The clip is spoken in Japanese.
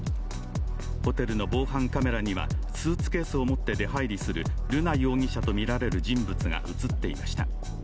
ホテルの防犯カメラにはスーツケースを持って出入りする瑠奈容疑者とみられる人物が映っていました。